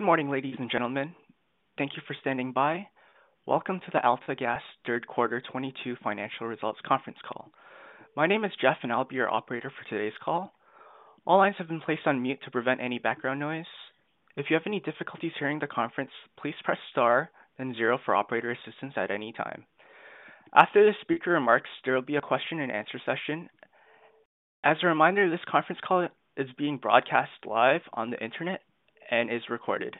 Good morning, ladies and gentlemen. Thank you for standing by. Welcome to the AltaGas Third Quarter 2022 Financial Results Conference Call. My name is Jeff, and I'll be your operator for today's call. All lines have been placed on mute to prevent any background noise. If you have any difficulties hearing the conference, please press star then zero for operator assistance at any time. After the speaker remarks, there will be a question-and-answer session. As a reminder, this conference call is being broadcast live on the Internet and is recorded.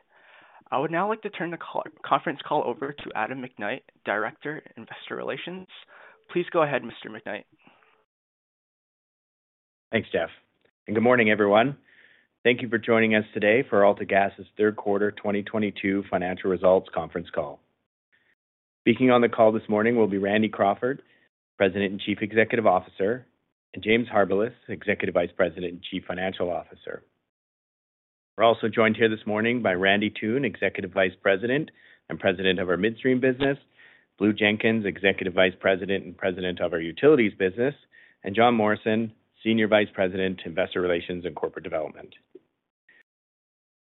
I would now like to turn the conference call over to Adam McKnight, Director, Investor Relations. Please go ahead, Mr. McKnight. Thanks, Jeff, and good morning, everyone. Thank you for joining us today for AltaGas's Third Quarter 2022 Financial Results Conference Call. Speaking on the call this morning will be Randy Crawford, President and Chief Executive Officer, and James Harbilas, Executive Vice President and Chief Financial Officer. We're also joined here this morning by Randy Toone, Executive Vice President and President of our Midstream business, Blue Jenkins, Executive Vice President and President of our Utilities business, and Jon Morrison, Senior Vice President, Investor Relations and Corporate Development.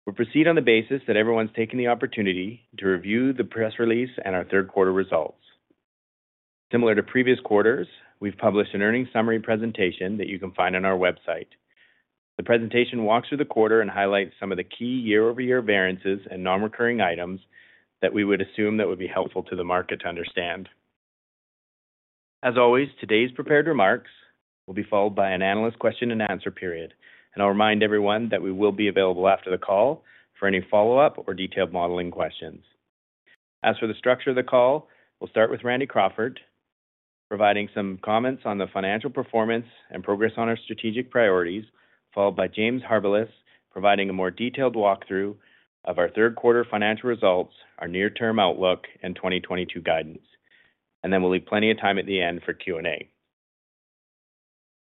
We'll proceed on the basis that everyone's taken the opportunity to review the press release and our third quarter results. Similar to previous quarters, we've published an earnings summary presentation that you can find on our website. The presentation walks through the quarter and highlights some of the key year-over-year variances and non-recurring items that we would assume that would be helpful to the market to understand. As always, today's prepared remarks will be followed by an analyst question-and-answer period, and I'll remind everyone that we will be available after the call for any follow-up or detailed modeling questions. As for the structure of the call, we'll start with Randy Crawford providing some comments on the financial performance and progress on our strategic priorities, followed by James Harbilas, providing a more detailed walkthrough of our third quarter financial results, our near-term outlook, and 2022 guidance. We'll leave plenty of time at the end for Q&A.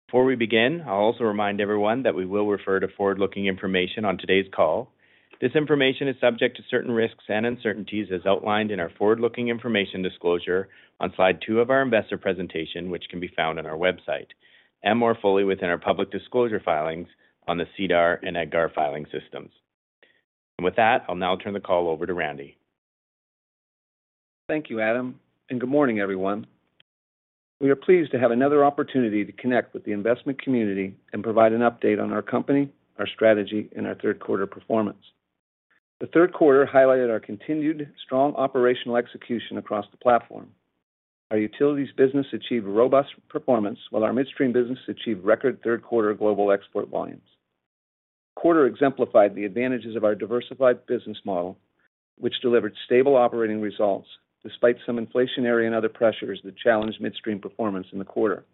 Before we begin, I'll also remind everyone that we will refer to forward-looking information on today's call. This information is subject to certain risks and uncertainties as outlined in our forward-looking information disclosure on slide two of our investor presentation, which can be found on our website and more fully within our public disclosure filings on the SEDAR and EDGAR filing systems. With that, I'll now turn the call over to Randy. Thank you, Adam, and good morning, everyone. We are pleased to have another opportunity to connect with the investment community and provide an update on our company, our strategy, and our third quarter performance. The third quarter highlighted our continued strong operational execution across the platform. Our utilities business achieved robust performance, while our midstream business achieved record third quarter global export volumes. The quarter exemplified the advantages of our diversified business model, which delivered stable operating results despite some inflationary and other pressures that challenged midstream performance in the quarter.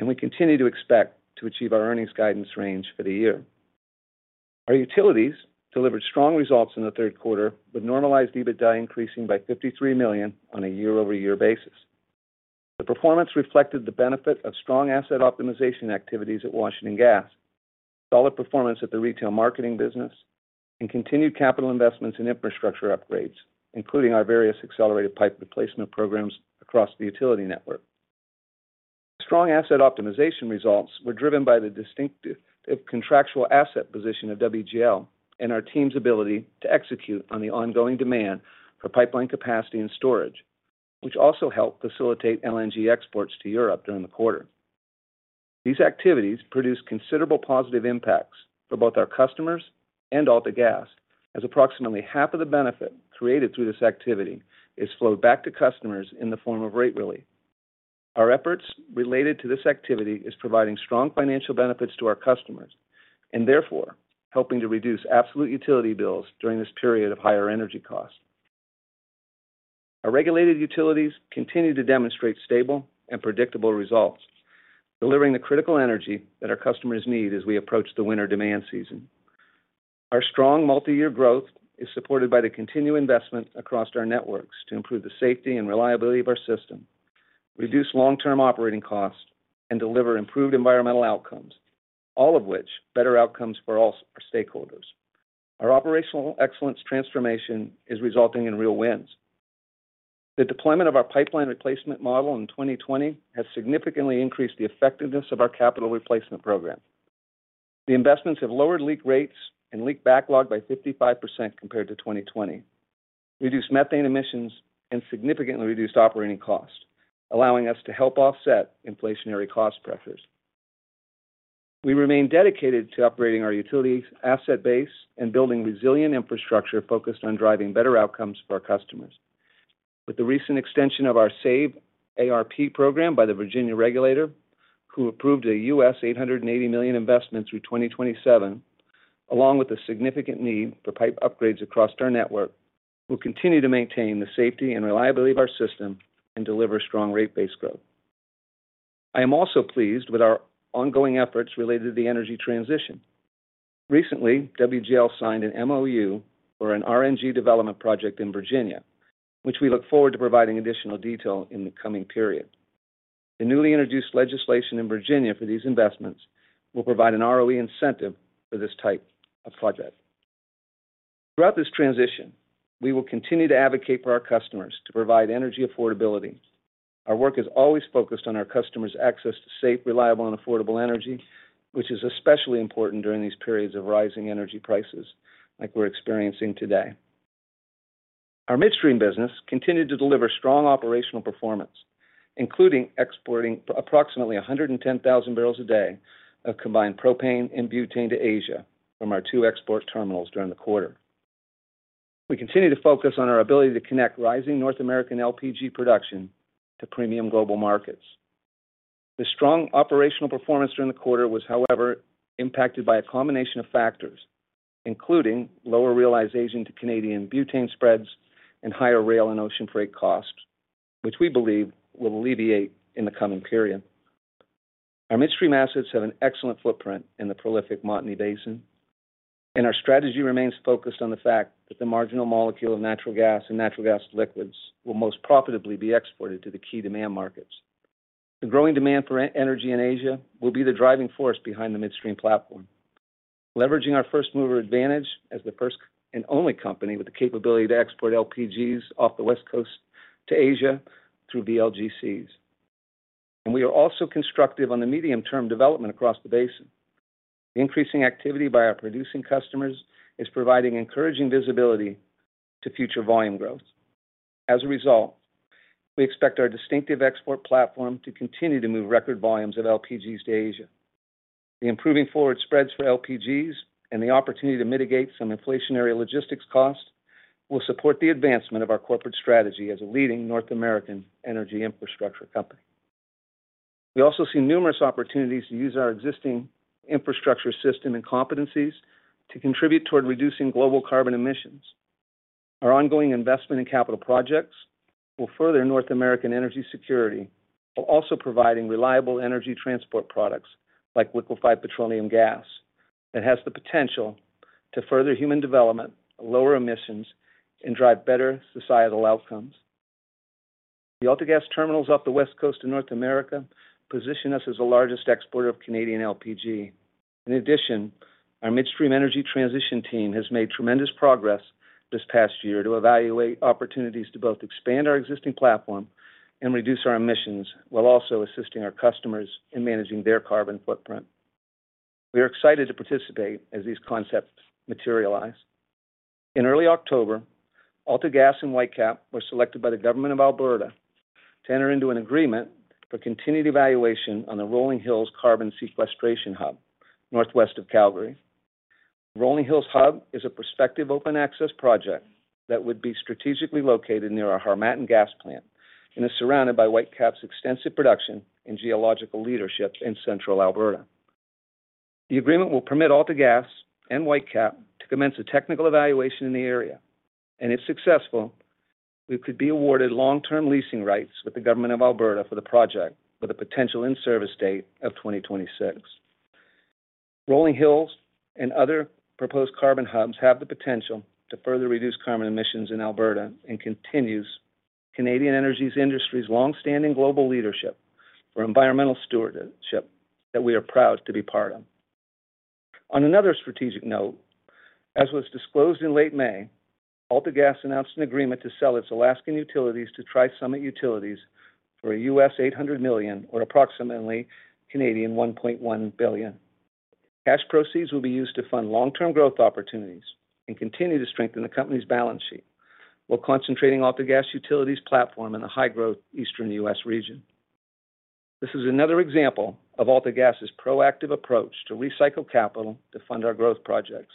We continue to expect to achieve our earnings guidance range for the year. Our utilities delivered strong results in the third quarter, with normalized EBITDA increasing by 53 million on a year-over-year basis. The performance reflected the benefit of strong asset optimization activities at Washington Gas, solid performance at the retail marketing business, and continued capital investments in infrastructure upgrades, including our various accelerated pipe replacement programs across the utility network. Strong asset optimization results were driven by the distinctive contractual asset position of WGL and our team's ability to execute on the ongoing demand for pipeline capacity and storage, which also helped facilitate LNG exports to Europe during the quarter. These activities produced considerable positive impacts for both our customers and AltaGas, as approximately half of the benefit created through this activity is flowed back to customers in the form of rate relief. Our efforts related to this activity is providing strong financial benefits to our customers and therefore helping to reduce absolute utility bills during this period of higher energy costs. Our regulated utilities continue to demonstrate stable and predictable results, delivering the critical energy that our customers need as we approach the winter demand season. Our strong multi-year growth is supported by the continued investment across our networks to improve the safety and reliability of our system, reduce long-term operating costs, and deliver improved environmental outcomes, all of which better outcomes for all our stakeholders. Our operational excellence transformation is resulting in real wins. The deployment of our pipeline replacement model in 2020 has significantly increased the effectiveness of our capital replacement program. The investments have lowered leak rates and leak backlog by 55% compared to 2020, reduced methane emissions, and significantly reduced operating costs, allowing us to help offset inflationary cost pressures. We remain dedicated to upgrading our utilities asset base and building resilient infrastructure focused on driving better outcomes for our customers. With the recent extension of our SAVE ARP program by the Virginia regulator, who approved a $880 million investment through 2027, along with the significant need for pipe upgrades across our network, we'll continue to maintain the safety and reliability of our system and deliver strong rate base growth. I am also pleased with our ongoing efforts related to the energy transition. Recently, WGL signed an MOU for an RNG development project in Virginia, which we look forward to providing additional detail in the coming period. The newly introduced legislation in Virginia for these investments will provide an ROE incentive for this type of project. Throughout this transition, we will continue to advocate for our customers to provide energy affordability. Our work is always focused on our customers' access to safe, reliable and affordable energy, which is especially important during these periods of rising energy prices like we're experiencing today. Our Midstream business continued to deliver strong operational performance, including exporting approximately 110,000 bpd of combined propane and butane to Asia from our two export terminals during the quarter. We continue to focus on our ability to connect rising North American LPG production to premium global markets. The strong operational performance during the quarter was, however, impacted by a combination of factors, including lower realization to Canadian butane spreads and higher rail and ocean freight costs, which we believe will alleviate in the coming period. Our Midstream assets have an excellent footprint in the prolific Montney Basin, and our strategy remains focused on the fact that the marginal molecule of natural gas and natural gas liquids will most profitably be exported to the key demand markets. The growing demand for energy in Asia will be the driving force behind the Midstream platform, leveraging our first-mover advantage as the first and only company with the capability to export LPGs off the West Coast to Asia through VLGCs. We are also constructive on the medium-term development across the basin. The increasing activity by our producing customers is providing encouraging visibility to future volume growth. As a result, we expect our distinctive export platform to continue to move record volumes of LPGs to Asia. The improving forward spreads for LPGs and the opportunity to mitigate some inflationary logistics costs will support the advancement of our corporate strategy as a leading North American energy infrastructure company. We also see numerous opportunities to use our existing infrastructure system and competencies to contribute toward reducing global carbon emissions. Our ongoing investment in capital projects will further North American energy security, while also providing reliable energy transport products like liquefied petroleum gas that has the potential to further human development, lower emissions and drive better societal outcomes. The AltaGas terminals off the West Coast of North America position us as the largest exporter of Canadian LPG. In addition, our Midstream energy transition team has made tremendous progress this past year to evaluate opportunities to both expand our existing platform and reduce our emissions while also assisting our customers in managing their carbon footprint. We are excited to participate as these concepts materialize. In early October, AltaGas and Whitecap were selected by the Government of Alberta to enter into an agreement for continued evaluation on the Rolling Hills Carbon Sequestration Hub northwest of Calgary. The Rolling Hills Hub is a prospective open-access project that would be strategically located near our Harmattan gas plant and is surrounded by Whitecap's extensive production and geological leadership in central Alberta. The agreement will permit AltaGas and Whitecap to commence a technical evaluation in the area. If successful, we could be awarded long-term leasing rights with the Government of Alberta for the project, with a potential in-service date of 2026. Rolling Hills and other proposed carbon hubs have the potential to further reduce carbon emissions in Alberta and continues Canadian energies industry's long-standing global leadership for environmental stewardship that we are proud to be part of. On another strategic note, as was disclosed in late May, AltaGas announced an agreement to sell its Alaskan Utilities to TriSummit Utilities for $800 million or approximately 1.1 billion. Cash proceeds will be used to fund long-term growth opportunities and continue to strengthen the company's balance sheet while concentrating AltaGas Utilities' platform in the high-growth Eastern U.S. region. This is another example of AltaGas' proactive approach to recycle capital to fund our growth projects.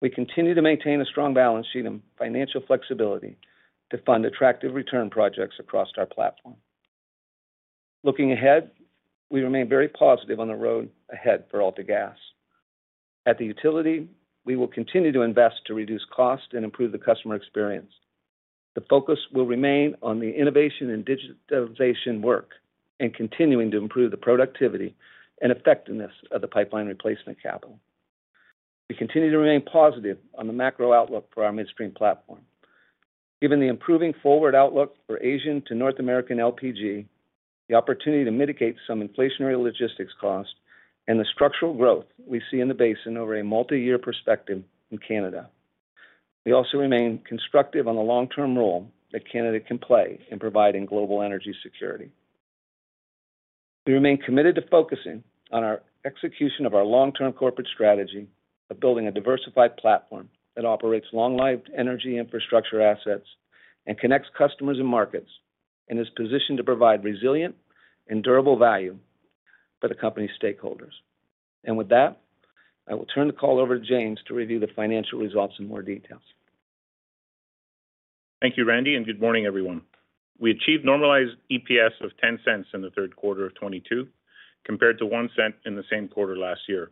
We continue to maintain a strong balance sheet and financial flexibility to fund attractive return projects across our platform. Looking ahead, we remain very positive on the road ahead for AltaGas. At the utility, we will continue to invest to reduce cost and improve the customer experience. The focus will remain on the innovation and digitization work and continuing to improve the productivity and effectiveness of the pipeline replacement capital. We continue to remain positive on the macro outlook for our Midstream platform. Given the improving forward outlook for Asian to North American LPG, the opportunity to mitigate some inflationary logistics costs and the structural growth we see in the basin over a multi-year perspective in Canada. We also remain constructive on the long-term role that Canada can play in providing global energy security. We remain committed to focusing on our execution of our long-term corporate strategy of building a diversified platform that operates long-lived energy infrastructure assets and connects customers and markets, and is positioned to provide resilient and durable value for the company's stakeholders. With that, I will turn the call over to James to review the financial results in more details. Thank you, Randy, and good morning, everyone. We achieved normalized EPS of 0.10 in the third quarter of 2022, compared to 0.01 in the same quarter last year.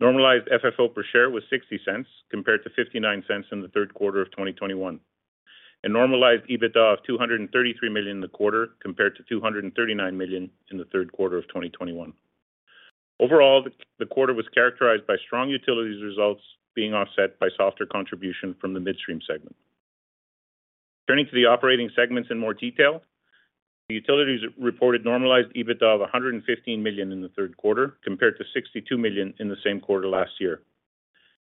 Normalized FFO per share was 0.60, compared to 0.59 in the third quarter of 2021. Normalized EBITDA of 233 million in the quarter, compared to 239 million in the third quarter of 2021. Overall, the quarter was characterized by strong utilities results being offset by softer contribution from the Midstream segment. Turning to the operating segments in more detail. The Utilities reported normalized EBITDA of 115 million in the third quarter, compared to 62 million in the same quarter last year.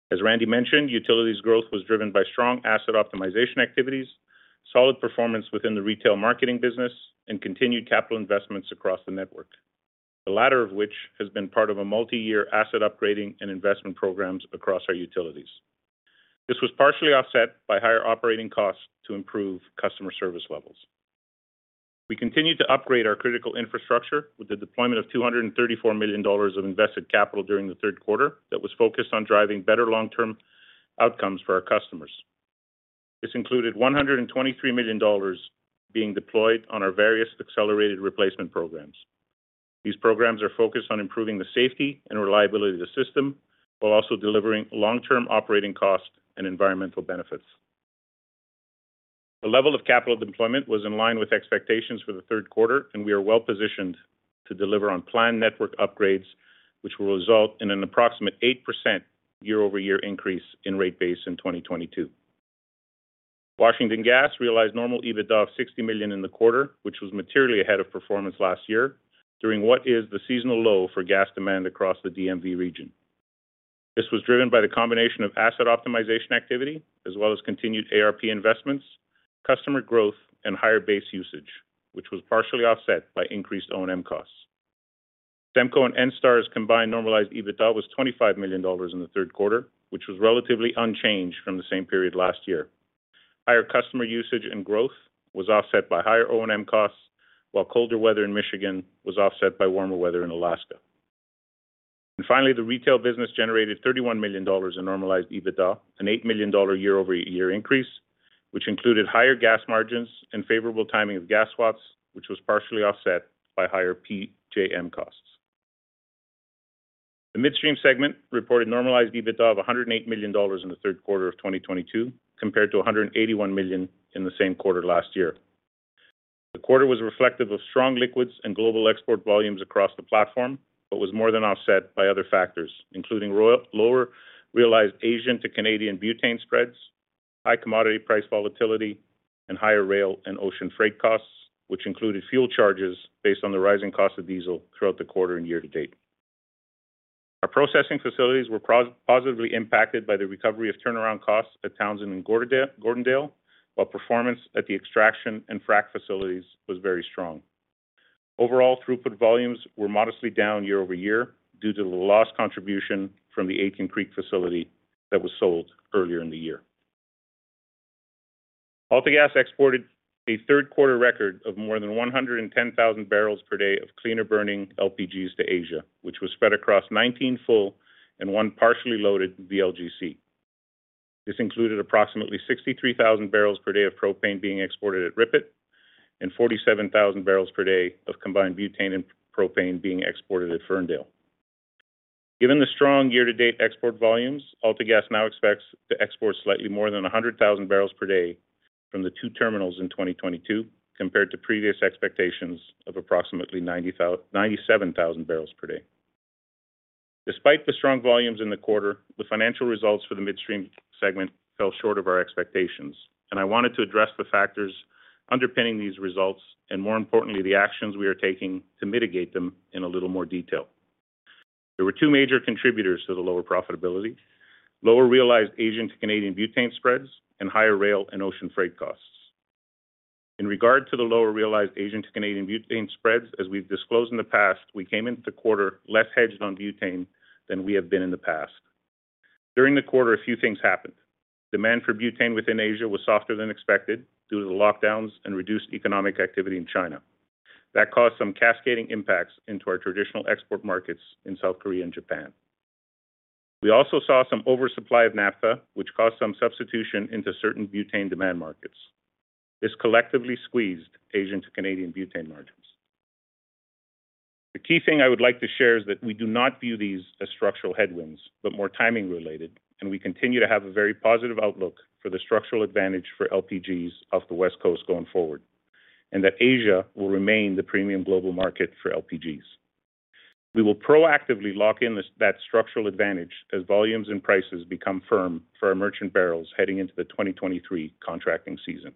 As Randy mentioned, Utilities growth was driven by strong asset optimization activities, solid performance within the retail marketing business, and continued capital investments across the network. The latter of which has been part of a multi-year asset upgrading and investment programs across our Utilities. This was partially offset by higher operating costs to improve customer service levels. We continued to upgrade our critical infrastructure with the deployment of 234 million dollars of invested capital during the third quarter that was focused on driving better long-term outcomes for our customers. This included 123 million dollars being deployed on our various accelerated replacement programs. These programs are focused on improving the safety and reliability of the system while also delivering long-term operating costs and environmental benefits. The level of capital deployment was in line with expectations for the third quarter, and we are well-positioned to deliver on planned network upgrades, which will result in an approximate 8% year-over-year increase in rate base in 2022. Washington Gas realized normal EBITDA of 60 million in the quarter, which was materially ahead of performance last year during what is the seasonal low for gas demand across the DMV region. This was driven by the combination of asset optimization activity as well as continued ARP investments, customer growth, and higher base usage, which was partially offset by increased O&M costs. SEMCO and ENSTAR's combined normalized EBITDA was 25 million dollars in the third quarter, which was relatively unchanged from the same period last year. Higher customer usage and growth was offset by higher O&M costs, while colder weather in Michigan was offset by warmer weather in Alaska. Finally, the retail business generated 31 million dollars in normalized EBITDA, a 8 million dollar year-over-year increase, which included higher gas margins and favorable timing of gas swaps, which was partially offset by higher PJM costs. The Midstream segment reported normalized EBITDA of 108 million dollars in the third quarter of 2022 compared to 181 million in the same quarter last year. The quarter was reflective of strong liquids and global export volumes across the platform, but was more than offset by other factors, including lower realized Asian to Canadian butane spreads, high commodity price volatility, and higher rail and ocean freight costs, which included fuel charges based on the rising cost of diesel throughout the quarter and year to date. Our processing facilities were positively impacted by the recovery of turnaround costs at Townsend and Gordondale, while performance at the extraction and frack facilities was very strong. Overall throughput volumes were modestly down year-over-year due to the lost contribution from the Aitken Creek facility that was sold earlier in the year. AltaGas exported a third quarter record of more than 110,000 bpd of cleaner burning LPGs to Asia, which was spread across 19 full and one partially loaded VLGC. This included approximately 63,000 bpd of propane being exported at RIPET and 47,000 bpd of combined butane and propane being exported at Ferndale. Given the strong year-to-date export volumes, AltaGas now expects to export slightly more than 100,000 bpd from the two terminals in 2022 compared to previous expectations of approximately 97,000 bpd. Despite the strong volumes in the quarter, the financial results for the Midstream segment fell short of our expectations, and I wanted to address the factors underpinning these results and, more importantly, the actions we are taking to mitigate them in a little more detail. There were two major contributors to the lower profitability. Lower realized Asian to Canadian butane spreads and higher rail and ocean freight costs. In regard to the lower realized Asian to Canadian butane spreads, as we've disclosed in the past, we came into the quarter less hedged on butane than we have been in the past. During the quarter, a few things happened. Demand for butane within Asia was softer than expected due to the lockdowns and reduced economic activity in China. That caused some cascading impacts into our traditional export markets in South Korea and Japan. We also saw some oversupply of naphtha, which caused some substitution into certain butane demand markets. This collectively squeezed Asian to Canadian butane margins. The key thing I would like to share is that we do not view these as structural headwinds, but more timing related, and we continue to have a very positive outlook for the structural advantage for LPGs off the West Coast going forward, and that Asia will remain the premium global market for LPGs. We will proactively lock in this, that structural advantage as volumes and prices become firm for our merchant barrels heading into the 2023 contracting season.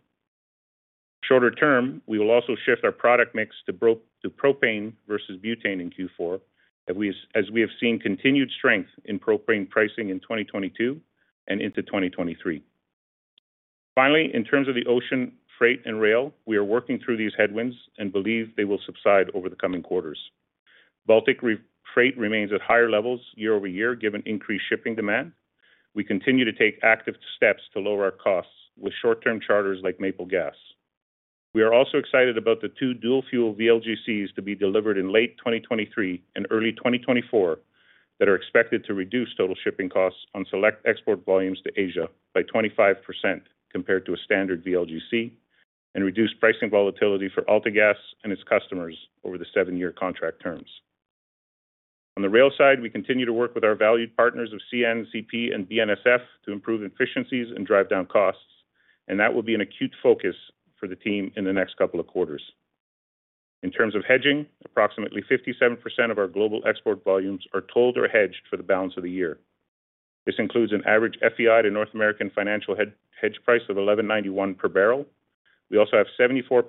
Shorter term, we will also shift our product mix to propane versus butane in Q4 as we have seen continued strength in propane pricing in 2022 and into 2023. Finally, in terms of the ocean freight and rail, we are working through these headwinds and believe they will subside over the coming quarters. Baltic freight remains at higher levels year-over-year, given increased shipping demand. We continue to take active steps to lower our costs with short-term charters like Maple Gas. We are also excited about the two dual-fuel VLGCs to be delivered in late 2023 and early 2024 that are expected to reduce total shipping costs on select export volumes to Asia by 25% compared to a standard VLGC and reduce pricing volatility for AltaGas and its customers over the seven-year contract terms. On the rail side, we continue to work with our valued partners, CN, CP, and BNSF to improve efficiencies and drive down costs, and that will be an acute focus for the team in the next couple of quarters. In terms of hedging, approximately 57% of our global export volumes are sold or hedged for the balance of the year. This includes an average FEI to North American financial hedge price of 11.91 per barrel. We also have 74%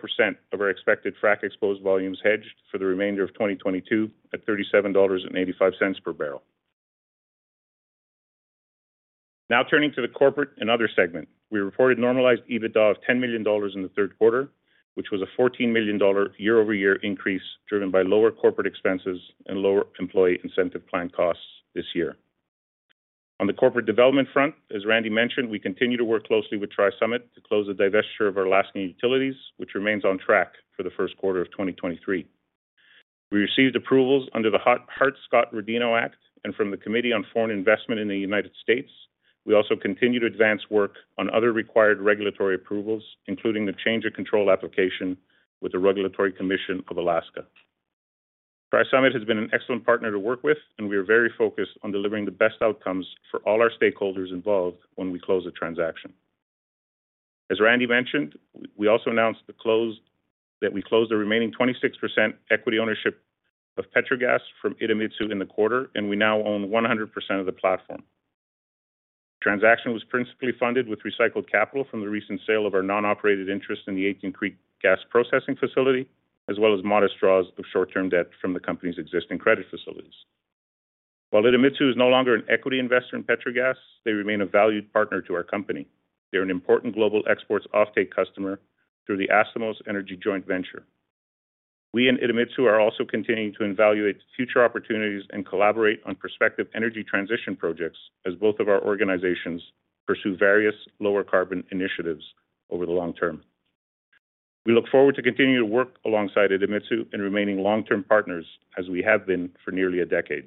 of our expected frac exposed volumes hedged for the remainder of 2022 at 37.85 dollars per barrel. Now turning to the corporate and other segment. We reported normalized EBITDA of 10 million dollars in the third quarter, which was a 14 million dollar year-over-year increase driven by lower corporate expenses and lower employee incentive plan costs this year. On the corporate development front, as Randy mentioned, we continue to work closely with TriSummit Utilities to close the divestiture of our Alaskan utilities, which remains on track for the first quarter of 2023. We received approvals under the Hart-Scott-Rodino Act and from the Committee on Foreign Investment in the United States. We also continue to advance work on other required regulatory approvals, including the change of control application with the Regulatory Commission of Alaska. TriSummit has been an excellent partner to work with, and we are very focused on delivering the best outcomes for all our stakeholders involved when we close the transaction. As Randy mentioned, we also announced that we closed the remaining 26% equity ownership of Petrogas from Idemitsu in the quarter, and we now own 100% of the platform. Transaction was principally funded with recycled capital from the recent sale of our non-operated interest in the Aitken Creek gas processing facility, as well as modest draws of short-term debt from the company's existing credit facilities. While Idemitsu is no longer an equity investor in Petrogas, they remain a valued partner to our company. They're an important global exports offtake customer through the Astomos Energy Joint Venture. We and Idemitsu are also continuing to evaluate future opportunities and collaborate on prospective energy transition projects as both of our organizations pursue various lower carbon initiatives over the long term. We look forward to continuing to work alongside Idemitsu in remaining long-term partners as we have been for nearly a decade.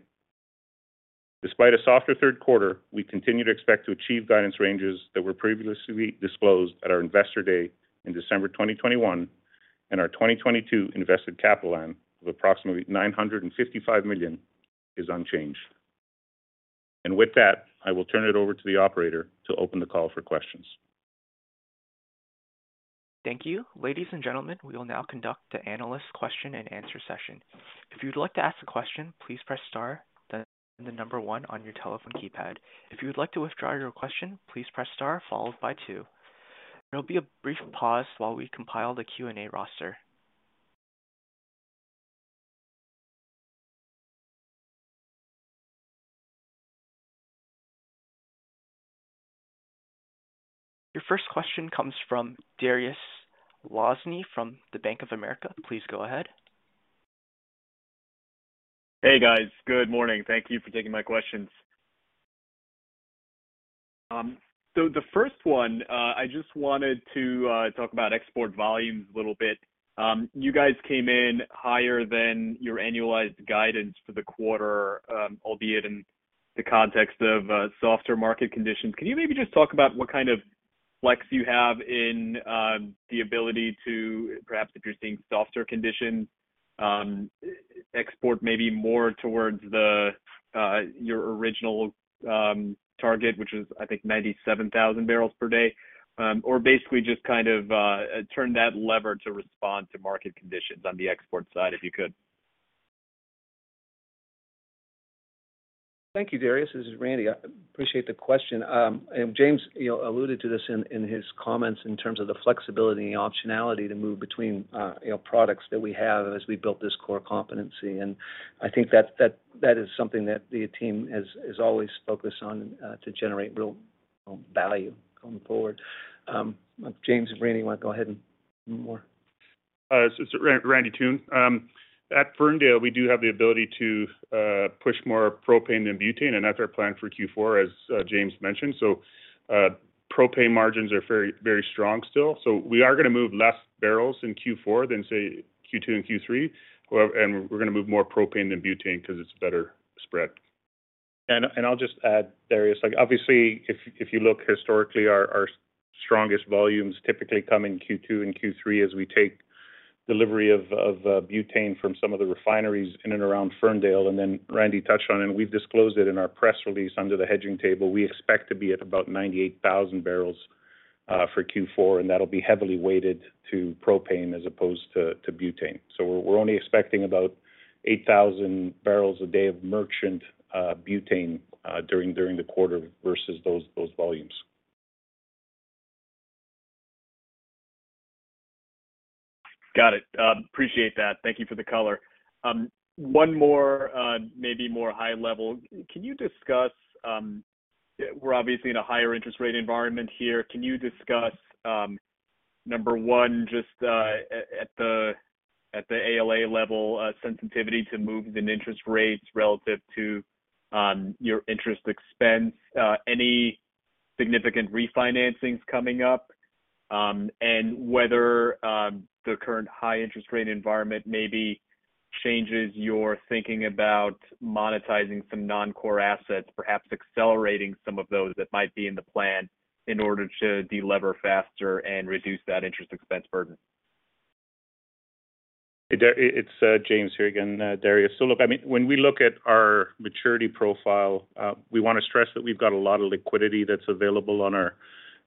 Despite a softer third quarter, we continue to expect to achieve guidance ranges that were previously disclosed at our investor day in December 2021, and our 2022 invested capital end of approximately 955 million is unchanged. With that, I will turn it over to the operator to open the call for questions. Thank you. Ladies and gentlemen, we will now conduct the analyst question and answer session. If you'd like to ask a question, please press star, then one on your telephone keypad. If you would like to withdraw your question, please press star followed by two. There will be a brief pause while we compile the Q&A roster. Your first question comes from Dariusz Lozny from Bank of America. Please go ahead. Hey, guys. Good morning. Thank you for taking my questions. The first one, I just wanted to talk about export volumes a little bit. You guys came in higher than your annualized guidance for the quarter, albeit in the context of softer market conditions. Can you maybe just talk about what kind of flex you have in the ability to, perhaps if you're seeing softer conditions, export maybe more towards your original target, which is, I think, 97,000 bpd, or basically just kind of turn that lever to respond to market conditions on the export side, if you could. Thank you, Dariusz. This is Randy. I appreciate the question. James, you know, alluded to this in his comments in terms of the flexibility and optionality to move between, you know, products that we have as we built this core competency. I think that is something that the team has is always focused on to generate real value going forward. James and Randy want to go ahead and more. This is Randy Toone. At Ferndale, we do have the ability to push more propane than butane, and that's our plan for Q4, as James mentioned. Propane margins are very strong still. We are gonna move less barrels in Q4 than, say, Q2 and Q3, however, and we're gonna move more propane than butane 'cause it's a better spread. I'll just add, Dariusz, like, obviously, if you look historically, our strongest volumes typically come in Q2 and Q3 as we take delivery of butane from some of the refineries in and around Ferndale. Then Randy touched on, and we've disclosed it in our press release under the hedging table, we expect to be at about 98,000 bbl for Q4, and that'll be heavily weighted to propane as opposed to butane. We're only expecting about 8,000 bpd of merchant butane during the quarter versus those volumes. Got it. Appreciate that. Thank you for the color. One more, maybe more high level. Can you discuss, we're obviously in a higher interest rate environment here. Can you discuss, number one, just, at the ALA level, sensitivity to moves in interest rates relative to, your interest expense, any significant refinancings coming up, and whether, the current high interest rate environment maybe changes your thinking about monetizing some non-core assets, perhaps accelerating some of those that might be in the plan in order to delever faster and reduce that interest expense burden? It's James here again, Dariusz. Look, I mean, when we look at our maturity profile, we wanna stress that we've got a lot of liquidity that's available on our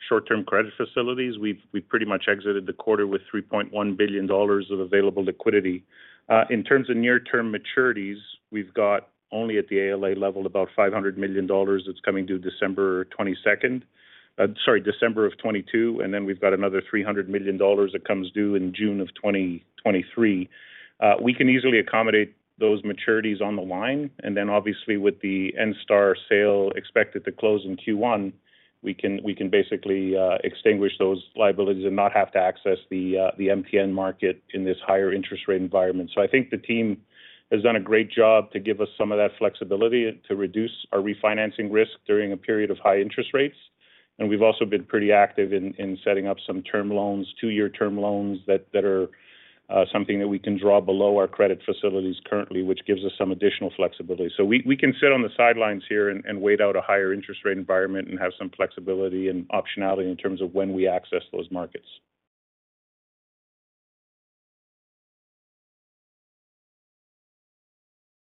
short-term credit facilities. We pretty much exited the quarter with 3.1 billion dollars of available liquidity. In terms of near-term maturities, we've got only at the ALA level, about 500 million dollars that's coming due December 22, 2022, and then we've got another 300 million dollars that comes due in June 2023. We can easily accommodate those maturities on the line. Obviously with the ENSTAR sale expected to close in Q1, we can basically extinguish those liabilities and not have to access the MTN market in this higher interest rate environment. I think the team has done a great job to give us some of that flexibility and to reduce our refinancing risk during a period of high interest rates. We've also been pretty active in setting up some term loans, two-year term loans that are something that we can draw below our credit facilities currently, which gives us some additional flexibility. We can sit on the sidelines here and wait out a higher interest rate environment and have some flexibility and optionality in terms of when we access those markets.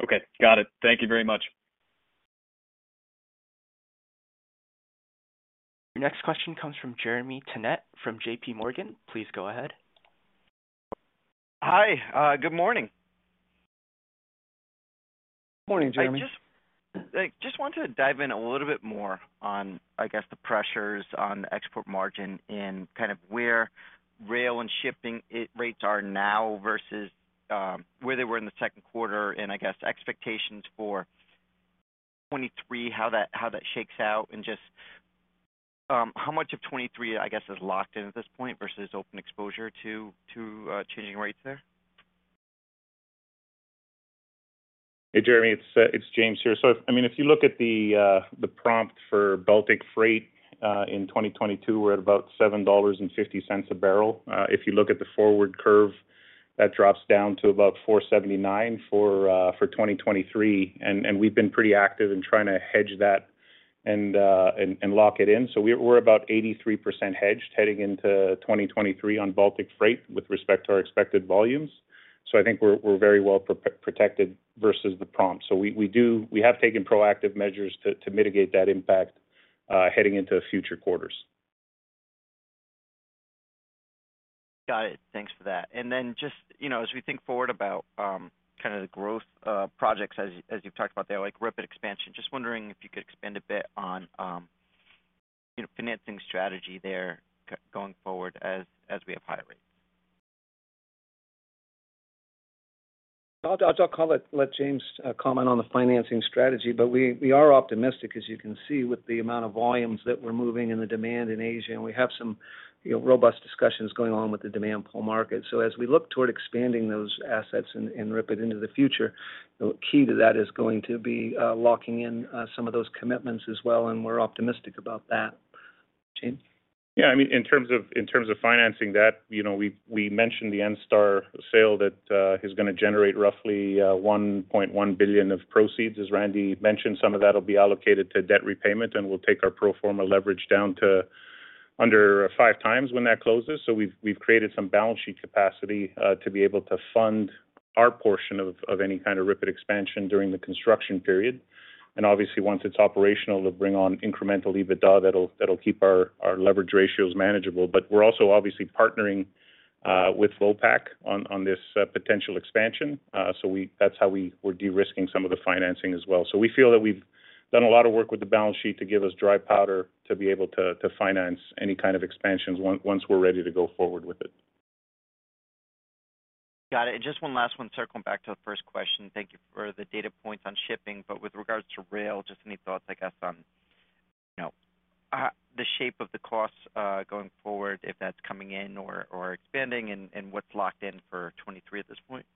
Okay. Got it. Thank you very much. Your next question comes from Jeremy Tonet from JPMorgan. Please go ahead. Hi. Good morning. Morning, Jeremy. I just want to dive in a little bit more on, I guess, the pressures on the export margin and kind of where rail and shipping rates are now versus where they were in the second quarter, and I guess expectations for 2023, how that shakes out, and just how much of 2023, I guess, is locked in at this point versus open exposure to changing rates there? Hey, Jeremy, it's James here. I mean, if you look at the prompt for Baltic freight in 2022, we're at about 7.50 dollars a barrel. If you look at the forward curve, that drops down to about 4.79 for 2023. We've been pretty active in trying to hedge that and lock it in. We're about 83% hedged heading into 2023 on Baltic freight with respect to our expected volumes. I think we're very well protected versus the prompt. We have taken proactive measures to mitigate that impact heading into future quarters. Got it. Thanks for that. Just, you know, as we think forward about kinda the growth projects as you've talked about there, like REEF expansion, just wondering if you could expand a bit on, you know, financing strategy there going forward as we have high rates. I'll let James comment on the financing strategy, but we are optimistic, as you can see, with the amount of volumes that we're moving and the demand in Asia, and we have some, you know, robust discussions going on with the demand pool market. As we look toward expanding those assets and REEF into the future, key to that is going to be locking in some of those commitments as well, and we're optimistic about that. James. Yeah. I mean, in terms of financing that, you know, we mentioned the ENSTAR sale that is gonna generate roughly 1.1 billion of proceeds. As Randy mentioned, some of that will be allocated to debt repayment, and we'll take our pro forma leverage down to under 5x when that closes. We've created some balance sheet capacity to be able to fund our portion of any kind of REEF expansion during the construction period. Obviously, once it's operational, it'll bring on incremental EBITDA that'll keep our leverage ratios manageable. We're also obviously partnering with Vopak on this potential expansion. That's how we're de-risking some of the financing as well. We feel that we've done a lot of work with the balance sheet to give us dry powder to be able to finance any kind of expansions once we're ready to go forward with it. Got it. Just one last one circling back to the first question. Thank you for the data points on shipping. With regards to rail, just any thoughts, I guess, on the shape of the costs going forward, if that's coming in or expanding and what's locked in for 2023 at this point?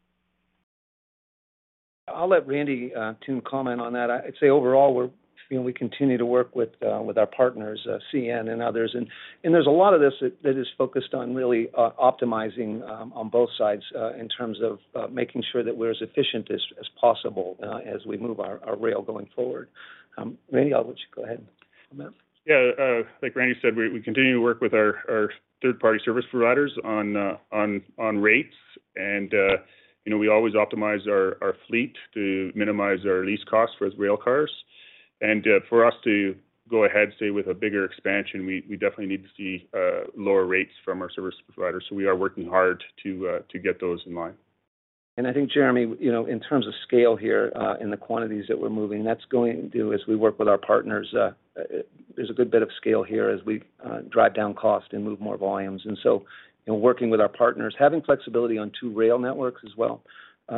I'll let Randy to comment on that. I'd say overall, we're feeling we continue to work with our partners, CN and others. There's a lot of this that is focused on really optimizing on both sides in terms of making sure that we're as efficient as possible as we move our rail going forward. Randy, I'll let you go ahead on that. Yeah. Like Randy said, we continue to work with our third-party service providers on rates. You know, we always optimize our fleet to minimize our lease costs for rail cars. For us to go ahead, say, with a bigger expansion, we definitely need to see lower rates from our service providers. We are working hard to get those in line. I think, Jeremy, you know, in terms of scale here, and the quantities that we're moving, that's going to, as we work with our partners, there's a good bit of scale here as we drive down cost and move more volumes. You know, working with our partners, having flexibility on two rail networks as well,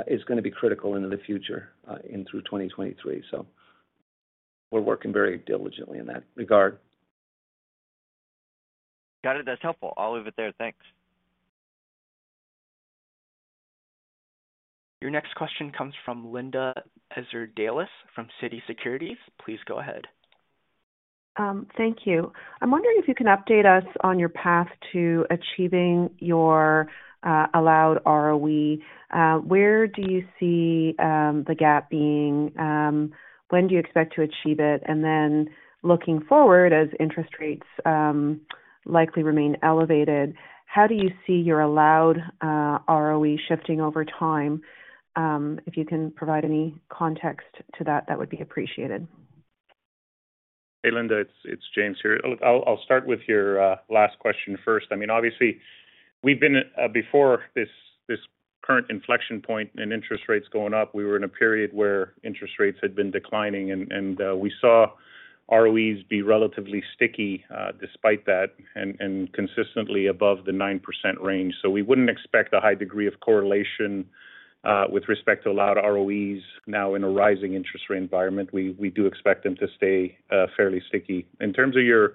is gonna be critical into the future, in through 2023. We're working very diligently in that regard. Got it. That's helpful. I'll leave it there. Thanks. Your next question comes from Linda Ezergailis from TD Securities. Please go ahead. Thank you. I'm wondering if you can update us on your path to achieving your allowed ROE. Where do you see the gap being? When do you expect to achieve it? Looking forward, as interest rates likely remain elevated, how do you see your allowed ROE shifting over time? If you can provide any context to that would be appreciated. Hey, Linda. It's James here. I'll start with your last question first. I mean, obviously, we've been before this current inflection point and interest rates going up. We were in a period where interest rates had been declining and we saw ROEs be relatively sticky despite that and consistently above the 9% range. We wouldn't expect a high degree of correlation with respect to allowed ROEs now in a rising interest rate environment. We do expect them to stay fairly sticky. In terms of your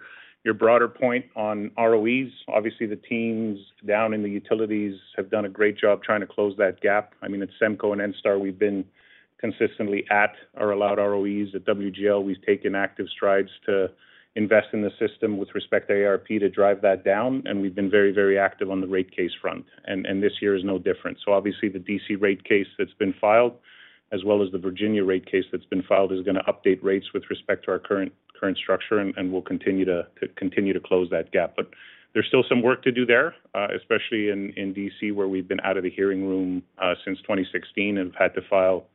broader point on ROEs, obviously, the teams down in the utilities have done a great job trying to close that gap. I mean, at SEMCO and ENSTAR, we've been consistently at or allowed ROEs. At WGL, we've taken active strides to invest in the system with respect to ARP to drive that down, and we've been very, very active on the rate case front. This year is no different. Obviously the D.C. rate case that's been filed, as well as the Virginia rate case that's been filed, is gonna update rates with respect to our current structure, and we'll continue to close that gap. There's still some work to do there, especially in D.C., where we've been out of the hearing room since 2016 and have had to file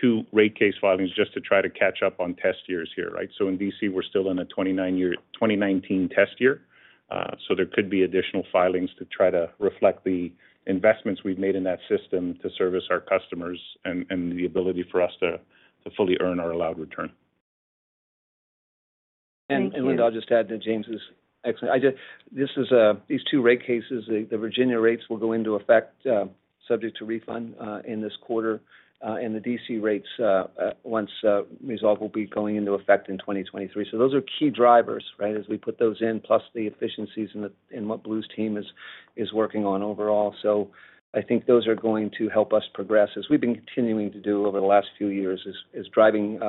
two rate case filings just to try to catch up on test years here, right? In D.C., we're still in a 2019 test year, so there could be additional filings to try to reflect the investments we've made in that system to service our customers and the ability for us to fully earn our allowed return. Thank you. Linda, I'll just add to James's excellent. This is these two rate cases. The Virginia rates will go into effect subject to refund in this quarter, and the D.C. rates once resolved will be going into effect in 2023. Those are key drivers, right? As we put those in, plus the efficiencies in what Blue's team is working on overall. I think those are going to help us progress as we've been continuing to do over the last few years, is driving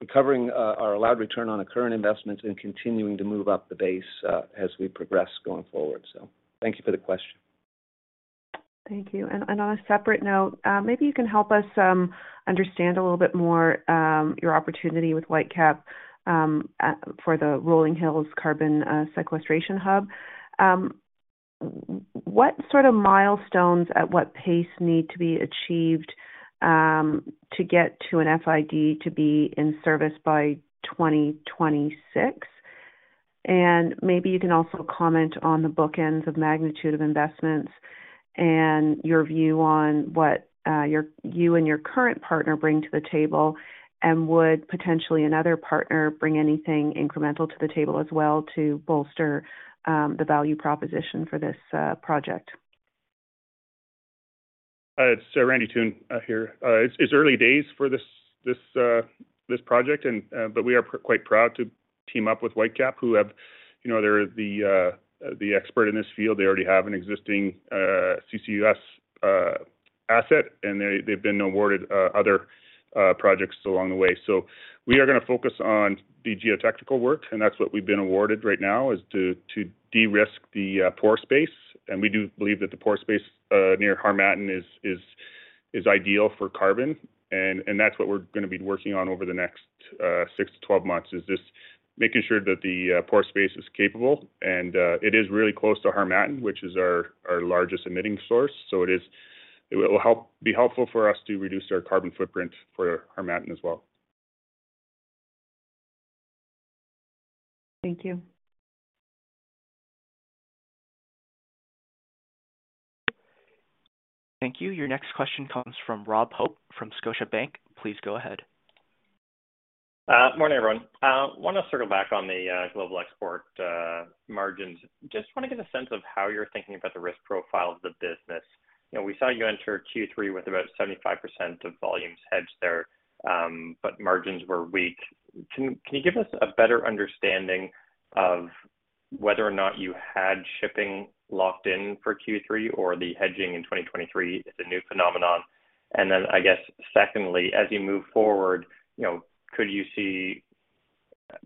recovering our allowed return on a current investment and continuing to move up the base as we progress going forward. Thank you for the question. Thank you. On a separate note, maybe you can help us understand a little bit more your opportunity with Whitecap for the Rolling Hills Carbon Sequestration Hub. What sort of milestones at what pace need to be achieved to get to an FID to be in service by 2026? Maybe you can also comment on the bookends of magnitude of investments and your view on what you and your current partner bring to the table, and would potentially another partner bring anything incremental to the table as well to bolster the value proposition for this project? It's Randy Toone here. It's early days for this project, but we are quite proud to team up with Whitecap, who have—you know, they're the expert in this field. They already have an existing CCUS asset, and they've been awarded other projects along the way. We are gonna focus on the geotechnical work, and that's what we've been awarded right now, is to de-risk the pore space. We do believe that the pore space near Harmattan is ideal for carbon. That's what we're gonna be working on over the next six to 12 months, is just making sure that the pore space is capable. It is really close to Harmattan, which is our largest emitting source. It will be helpful for us to reduce our carbon footprint for Harmattan as well. Thank you. Thank you. Your next question comes from Rob Hope from Scotiabank. Please go ahead. Morning, everyone. Wanna circle back on the global export margins. Just wanna get a sense of how you're thinking about the risk profile of the business. You know, we saw you enter Q3 with about 75% of volumes hedged there, but margins were weak. Can you give us a better understanding of whether or not you had shipping locked in for Q3 or the hedging in 2023 is a new phenomenon? I guess, secondly, as you move forward, you know, could you see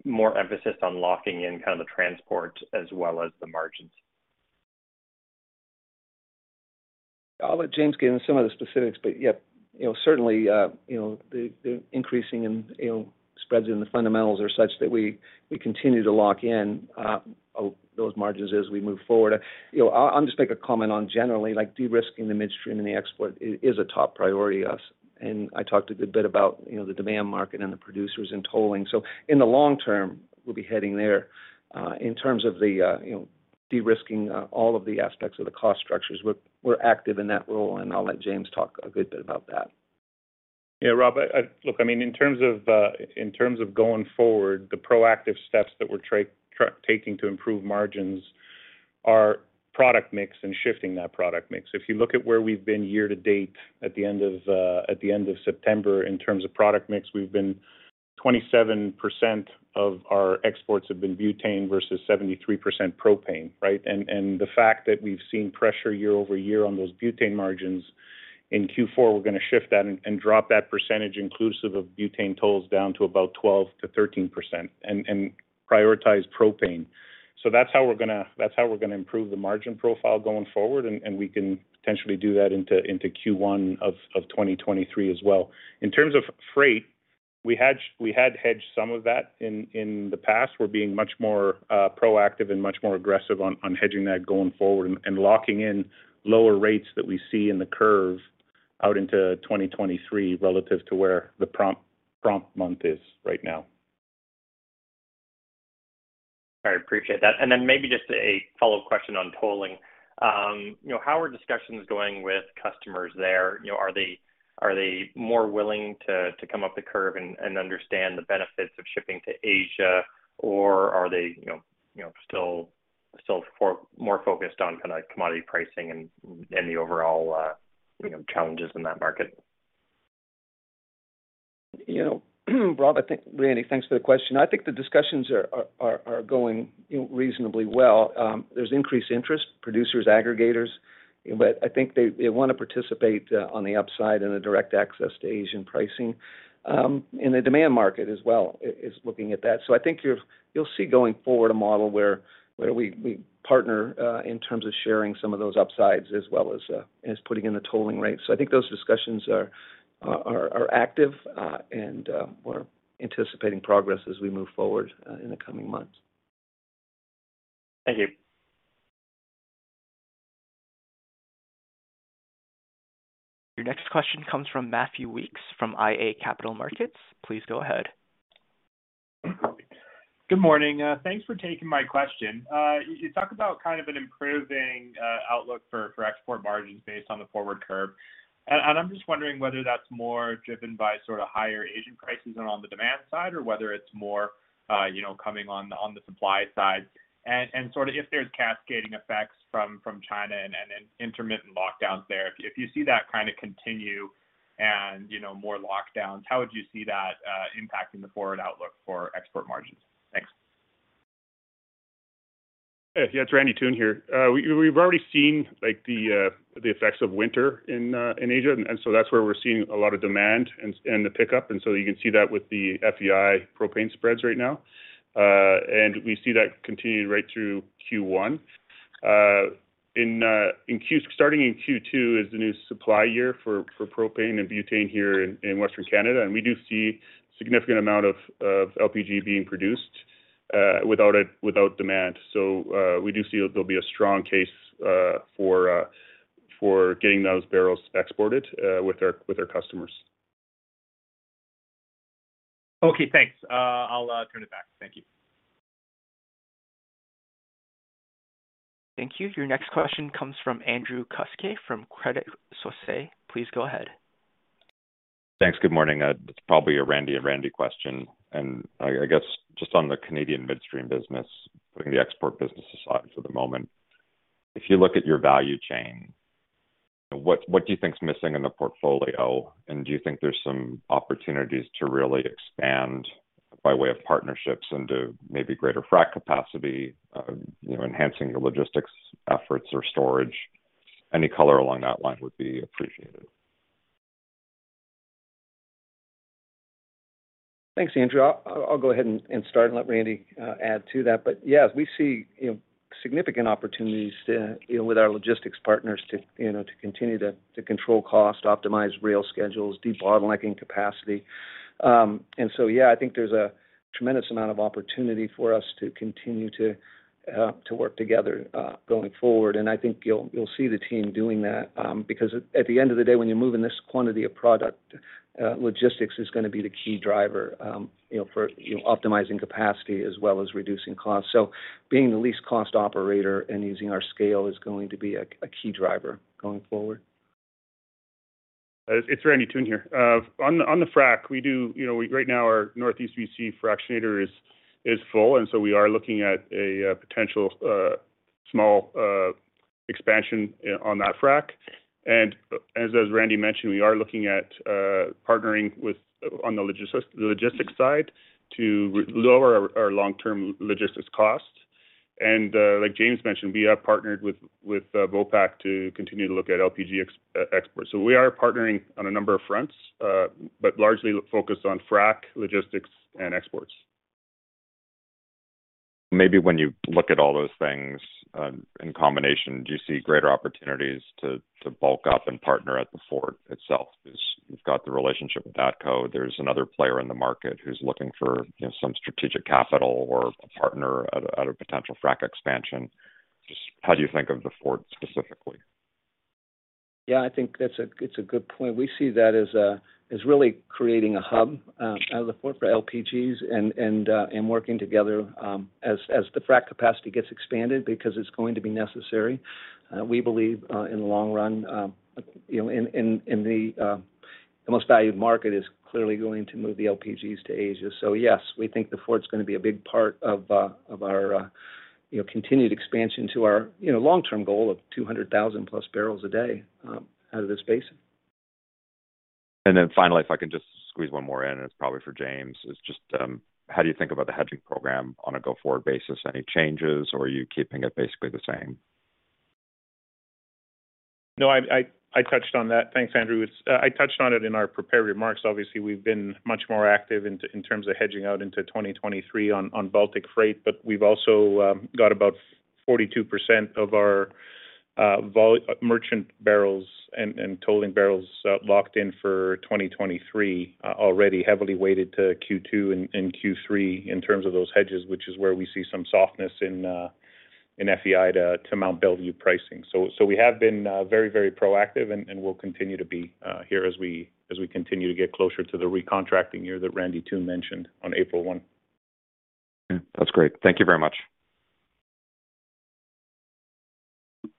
more emphasis on locking in kind of the transport as well as the margins? I'll let James get into some of the specifics, but yeah, you know, certainly, you know, the increase in spreads in the fundamentals are such that we continue to lock in those margins as we move forward. You know, I'll just make a comment on generally, like, de-risking the midstream and the export is a top priority for us. I talked a good bit about, you know, the demand market and the producers in tolling. In the long term, we'll be heading there. In terms of, you know, de-risking all of the aspects of the cost structures, we're active in that role, and I'll let James talk a good bit about that. Yeah, Rob, I—Look, I mean, in terms of going forward, the proactive steps that we're taking to improve margins are product mix and shifting that product mix. If you look at where we've been year-to-date at the end of September in terms of product mix, we've been 27% of our exports have been butane versus 73% propane, right? The fact that we've seen pressure year-over-year on those butane margins, in Q4, we're gonna shift that and drop that percentage inclusive of butane tolls down to about 12%-13% and prioritize propane. That's how we're gonna improve the margin profile going forward, and we can potentially do that into Q1 of 2023 as well. In terms of freight, we hedged, we had hedged some of that in the past. We're being much more proactive and much more aggressive on hedging that going forward and locking in lower rates that we see in the curve out into 2023 relative to where the prompt month is right now. I appreciate that. Then maybe just a follow-up question on tolling. You know, how are discussions going with customers there? You know, are they more willing to come up the curve and understand the benefits of shipping to Asia? Or are they, you know, still more focused on kinda commodity pricing and the overall, you know, challenges in that market? You know, Rob, I think Randy, thanks for the question. I think the discussions are going, you know, reasonably well. There's increased interest, producers, aggregators, but I think they wanna participate on the upside and the direct access to Asian pricing in the demand market as well is looking at that. I think you'll see going forward a model where we partner in terms of sharing some of those upsides as well as putting in the tolling rates. I think those discussions are active, and we're anticipating progress as we move forward in the coming months. Thank you. Your next question comes from Matthew Weekes from iA Capital Markets. Please go ahead. Good morning. Thanks for taking my question. You talk about kind of an improving outlook for export margins based on the forward curve. I'm just wondering whether that's more driven by sort of higher Asian prices and on the demand side or whether it's more, you know, coming on the supply side. Sort of if there's cascading effects from China and intermittent lockdowns there. If you see that kinda continue and, you know, more lockdowns, how would you see that impacting the forward outlook for export margins? Thanks. Yeah. It's Randy Toone here. We've already seen like the effects of winter in Asia, and that's where we're seeing a lot of demand and the pickup. You can see that with the FEI propane spreads right now. We see that continuing right through Q1. Starting in Q2 is the new supply year for propane and butane here in Western Canada, and we do see significant amount of LPG being produced without demand. We do see there'll be a strong case for getting those barrels exported with our customers. Okay, thanks. I'll turn it back. Thank you. Thank you. Your next question comes from Andrew Kuske from Credit Suisse. Please go ahead. Thanks. Good morning. It's probably a Randy and Randy question. I guess just on the Canadian midstream business, putting the export business aside for the moment. If you look at your value chain, what do you think is missing in the portfolio? Do you think there's some opportunities to really expand by way of partnerships into maybe greater frack capacity, you know, enhancing the logistics efforts or storage? Any color along that line would be appreciated. Thanks, Andrew. I'll go ahead and start and let Randy add to that. Yeah, we see, you know, significant opportunities to, you know, with our logistics partners to, you know, continue to control cost, optimize rail schedules, debottlenecking capacity. Yeah, I think there's a tremendous amount of opportunity for us to continue to work together going forward. I think you'll see the team doing that, because at the end of the day, when you're moving this quantity of product, logistics is gonna be the key driver, you know, for optimizing capacity as well as reducing costs. Being the least cost operator and using our scale is going to be a key driver going forward. It's Randy Toone here. On the frac, you know, right now our Northeast BC fractionator is full, and we are looking at a potential small expansion on that frac. As Randy mentioned, we are looking at partnering with on the logistics side to lower our long-term logistics costs. Like James mentioned, we have partnered with Vopak to continue to look at LPG exports. We are partnering on a number of fronts, but largely focused on frac, logistics, and exports. Maybe when you look at all those things in combination, do you see greater opportunities to bulk up and partner at the Fort itself? 'Cause you've got the relationship with ATCO. There's another player in the market who's looking for, you know, some strategic capital or a partner at a potential frack expansion. Just how do you think of the Fort specifically? Yeah, I think that's a good point. We see that as really creating a hub out of the Fort for LPGs and working together as the frack capacity gets expanded because it's going to be necessary. We believe in the long run, you know, the most valued market is clearly going to move the LPGs to Asia. Yes, we think the Fort's gonna be a big part of our continued expansion to our long-term goal of 200,000+ bpd out of this basin. Finally, if I can just squeeze one more in, and it's probably for James. It's just, how do you think about the hedging program on a go-forward basis? Any changes or are you keeping it basically the same? No, I touched on that. Thanks, Andrew. It's I touched on it in our prepared remarks. Obviously, we've been much more active in terms of hedging out into 2023 on Baltic freight, but we've also got about 42% of our merchant barrels and tolling barrels locked in for 2023, already heavily weighted to Q2 and Q3 in terms of those hedges, which is where we see some softness in FEI to Mont Belvieu pricing. We have been very proactive and we'll continue to be here as we continue to get closer to the recontracting year that Randy Toone mentioned on April one. Okay, that's great. Thank you very much.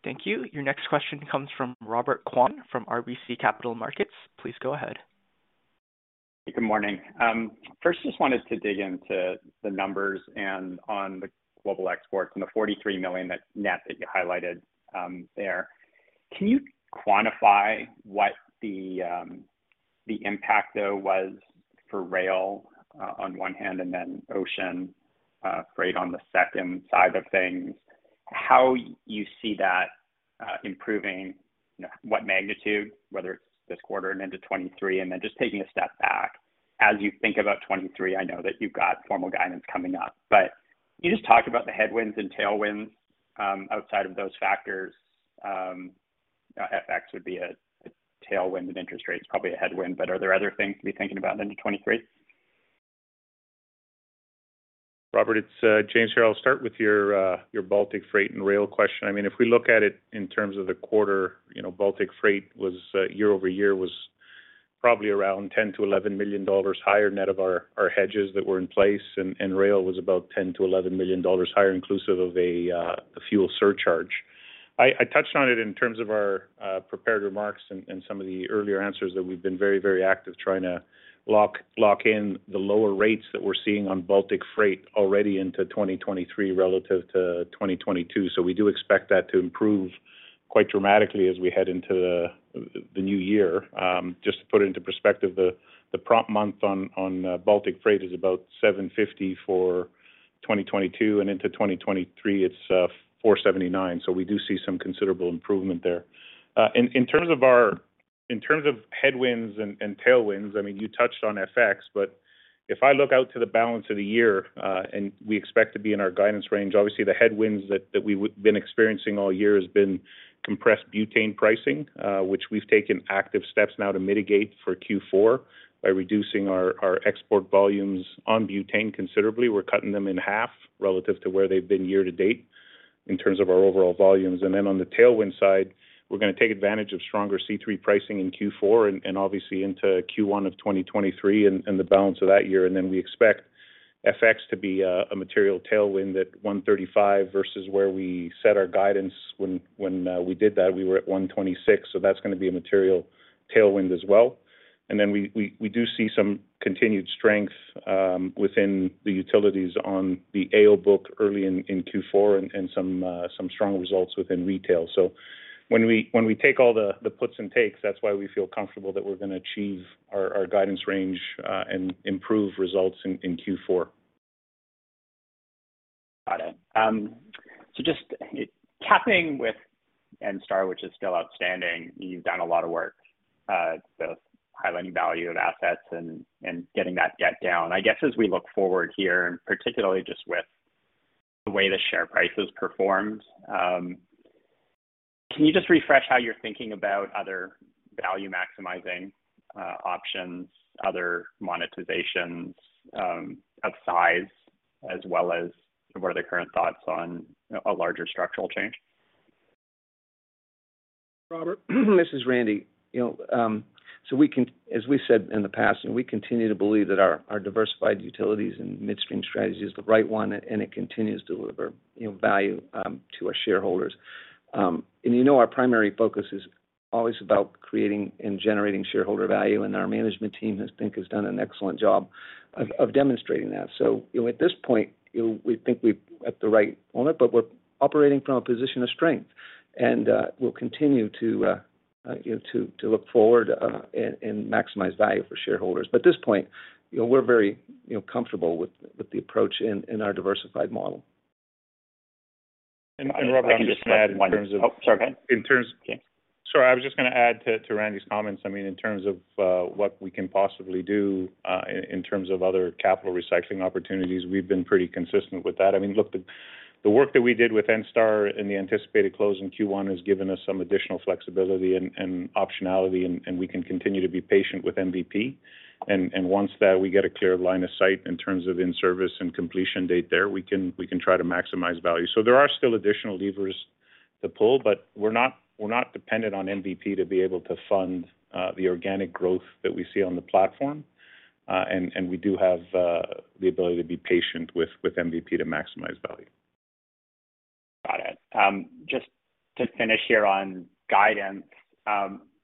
Thank you. Your next question comes from Robert Kwan from RBC Capital Markets. Please go ahead. Good morning. First just wanted to dig into the numbers and on the global exports and the 43 million net that you highlighted, there. Can you quantify what the impact though was for rail, on one hand and then ocean, freight on the second side of things? How you see that, improving, what magnitude, whether it's this quarter and into 2023, and then just taking a step back. As you think about 2023, I know that you've got formal guidance coming up, but can you just talk about the headwinds and tailwinds, outside of those factors, FX would be a tailwind and interest rates probably a headwind, but are there other things to be thinking about into 2023? Robert, it's James here. I'll start with your Baltic freight and rail question. I mean, if we look at it in terms of the quarter, you know, Baltic freight was year-over-year probably around 10 million-11 million dollars higher net of our hedges that were in place, and rail was about 10 million-11 million dollars higher inclusive of a fuel surcharge. I touched on it in terms of our prepared remarks and some of the earlier answers that we've been very active trying to lock in the lower rates that we're seeing on Baltic freight already into 2023 relative to 2022. We do expect that to improve quite dramatically as we head into the new year. Just to put it into perspective, the prompt month on Baltic freight is about 750 2022, and into 2023, it's 479. We do see some considerable improvement there. In terms of headwinds and tailwinds, I mean, you touched on FX, but if I look out to the balance of the year, and we expect to be in our guidance range, obviously the headwinds that we've been experiencing all year has been compressed butane pricing, which we've taken active steps now to mitigate for Q4 by reducing our export volumes on butane considerably. We're cutting them in half relative to where they've been year to date in terms of our overall volumes. On the tailwind side, we're gonna take advantage of stronger C3 pricing in Q4 and obviously into Q1 of 2023 and the balance of that year. We expect FX to be a material tailwind at 1.35 versus where we set our guidance when we did that, we were at 1.26. That's gonna be a material tailwind as well. We do see some continued strength within the utilities on the AO book early in Q4 and some strong results within retail. When we take all the puts and takes, that's why we feel comfortable that we're gonna achieve our guidance range and improve results in Q4. Got it. Just tapping with ENSTAR, which is still outstanding, you've done a lot of work, both highlighting value of assets and getting that debt down. I guess, as we look forward here, and particularly just with the way the share price has performed, can you just refresh how you're thinking about other value-maximizing options, other monetizations of size, as well as what are the current thoughts on a larger structural change? Robert, this is Randy. You know, so we as we said in the past, and we continue to believe that our diversified utilities and midstream strategy is the right one and it continues to deliver, you know, value to our shareholders. You know our primary focus is always about creating and generating shareholder value, and our management team has, I think, done an excellent job of demonstrating that. You know, at this point, you know, we think we're at the right moment, but we're operating from a position of strength. We'll continue to you know to look forward and maximize value for shareholders. At this point, you know, we're very, you know, comfortable with the approach in our diversified model. Robert, I'm just gonna add in terms of. Oh, sorry. Sorry, I was just gonna add to Randy's comments. I mean, in terms of what we can possibly do, in terms of other capital recycling opportunities, we've been pretty consistent with that. I mean, look, the work that we did with ENSTAR in the anticipated close in Q1 has given us some additional flexibility and optionality, and we can continue to be patient with MVP. Once that we get a clear line of sight in terms of in-service and completion date there, we can try to maximize value. There are still additional levers to pull, but we're not dependent on MVP to be able to fund the organic growth that we see on the platform. We do have the ability to be patient with MVP to maximize value. Got it. Just to finish here on guidance,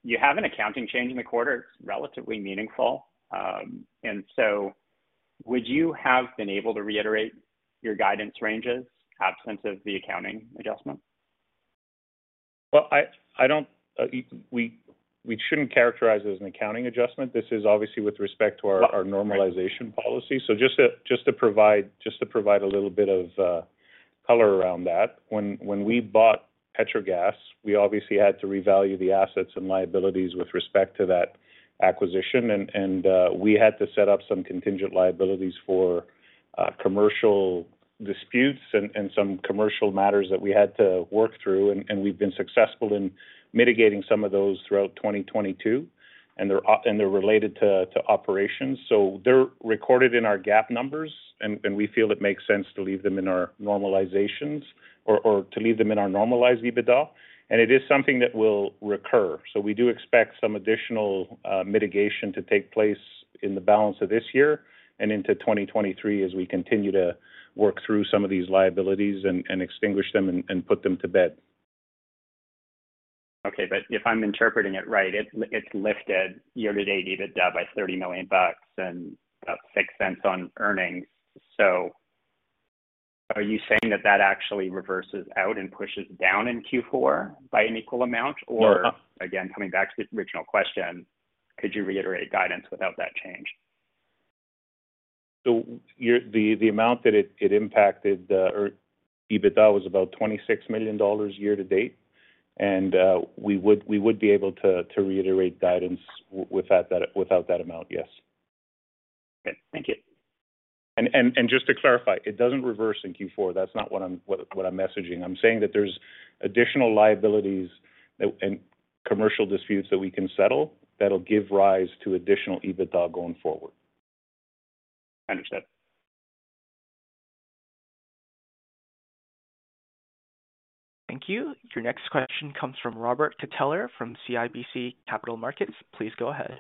you have an accounting change in the quarter. It's relatively meaningful. Would you have been able to reiterate your guidance ranges absent of the accounting adjustment? Well, we shouldn't characterize it as an accounting adjustment. This is obviously with respect to our- Right. Our normalization policy. Just to provide a little bit of color around that. When we bought Petrogas, we obviously had to revalue the assets and liabilities with respect to that acquisition and we had to set up some contingent liabilities for commercial disputes and some commercial matters that we had to work through, and we've been successful in mitigating some of those throughout 2022, and they're related to operations. They're recorded in our GAAP numbers and we feel it makes sense to leave them in our normalizations or to leave them in our normalized EBITDA. It is something that will recur. We do expect some additional mitigation to take place in the balance of this year and into 2023 as we continue to work through some of these liabilities and extinguish them and put them to bed. Okay. If I'm interpreting it right, it's lifted year-to-date EBITDA by 30 million bucks and about 0.06 on earnings. Are you saying that actually reverses out and pushes down in Q4 by an equal amount? No. Again, coming back to the original question, could you reiterate guidance without that change? The amount that it impacted our EBITDA was about 26 million dollars year to date. We would be able to reiterate guidance without that amount, yes. Okay. Thank you. Just to clarify, it doesn't reverse in Q4. That's not what I'm messaging. I'm saying that there's additional liabilities that and commercial disputes that we can settle that'll give rise to additional EBITDA going forward. I understand. Thank you. Your next question comes from Robert Catellier from CIBC Capital Markets. Please go ahead.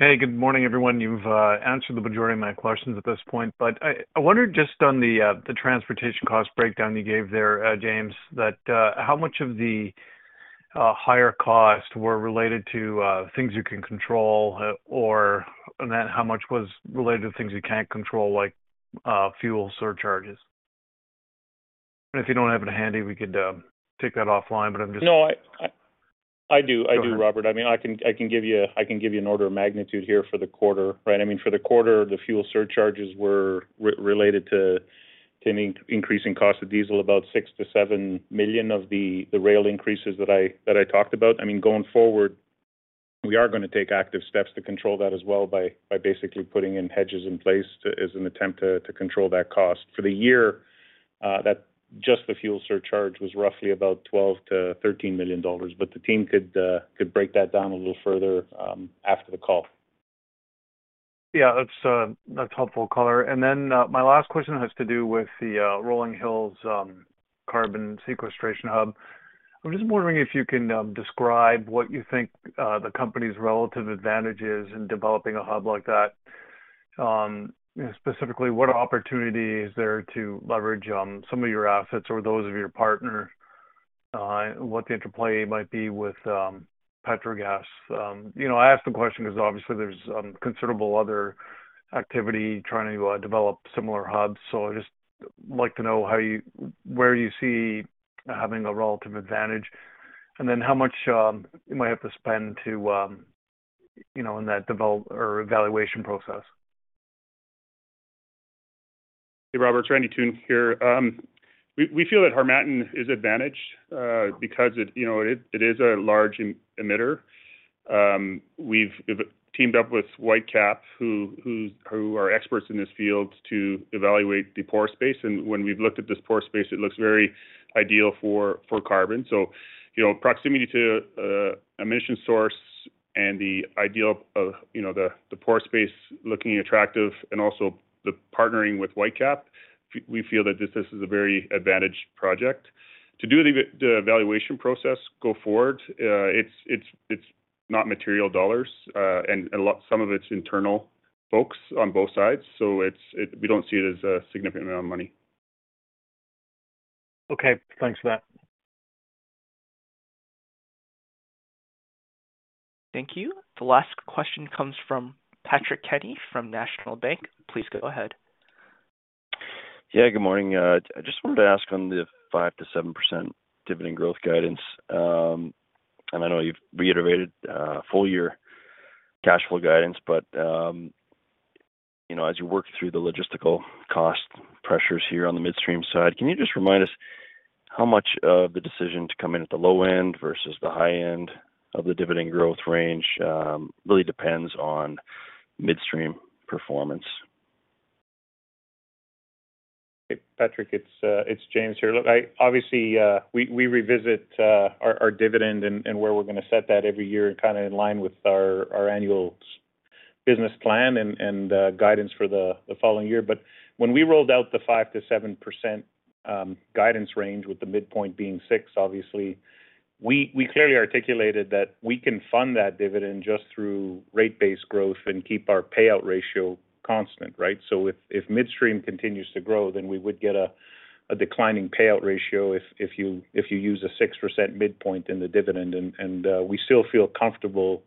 Hey, good morning, everyone. You've answered the majority of my questions at this point, but I wonder just on the transportation cost breakdown you gave there, James, that how much of the higher costs were related to things you can control or and then how much was related to things you can't control, like fuel surcharges? If you don't have it handy, we could take that offline. No, I do, Robert. I mean, I can give you an order of magnitude here for the quarter, right? I mean, for the quarter, the fuel surcharges were related to an increase in cost of diesel, about 6 million-7 million of the rail increases that I talked about. I mean, going forward, we are gonna take active steps to control that as well by basically putting in hedges in place to, as an attempt to control that cost. For the year, that, just the fuel surcharge was roughly about 12 million-13 million dollars, but the team could break that down a little further after the call. Yeah, that's helpful color. My last question has to do with the Rolling Hills Carbon Sequestration Hub. I'm just wondering if you can describe what you think the company's relative advantage is in developing a hub like that. Specifically, what opportunity is there to leverage some of your assets or those of your partner? What the interplay might be with Petrogas? You know, I ask the question 'cause obviously there's considerable other activity trying to develop similar hubs. I just like to know where you see having a relative advantage, and then how much you might have to spend, you know, in that development or evaluation process. Hey, Robert, Randy Toone here. We feel that Harmattan is advantaged, because you know, it is a large emitter. We've teamed up with Whitecap who are experts in this field to evaluate the pore space. When we've looked at this pore space, it looks very ideal for carbon. You know, proximity to emission source and the ideal of you know, the pore space looking attractive and also the partnering with Whitecap, we feel that this is a very advantaged project. To do the evaluation process go forward, it's not material dollars, and a lot—some of it's internal folks on both sides. We don't see it as a significant amount of money. Okay. Thanks for that. Thank you. The last question comes from Patrick Kenny from National Bank. Please go ahead. Yeah, good morning. I just wanted to ask on the 5%-7% dividend growth guidance. And I know you've reiterated full year cash flow guidance, but you know, as you work through the logistical cost pressures here on the midstream side, can you just remind us how much of the decision to come in at the low end versus the high end of the dividend growth range really depends on midstream performance? Hey, Patrick, it's James here. Look, obviously, we revisit our dividend and where we're gonna set that every year kind of in line with our annual business plan and guidance for the following year. When we rolled out the 5%-7% guidance range, with the midpoint being 6%, obviously, we clearly articulated that we can fund that dividend just through rate-based growth and keep our payout ratio constant, right? If midstream continues to grow, then we would get a declining payout ratio if you use a 6% midpoint in the dividend. We still feel comfortable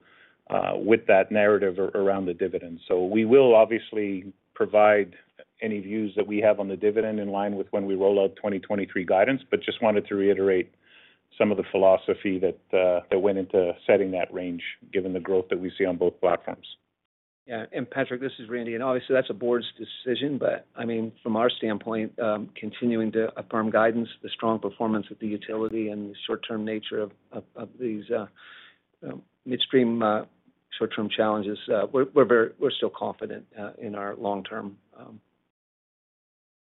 with that narrative around the dividend. We will obviously provide any views that we have on the dividend in line with when we roll out 2023 guidance, but just wanted to reiterate some of the philosophy that went into setting that range given the growth that we see on both platforms. Yeah, Patrick, this is Randy. Obviously, that's a board's decision, but I mean, from our standpoint, continuing to affirm guidance, the strong performance of the utility and the short-term nature of these midstream short-term challenges, we're still confident in our long-term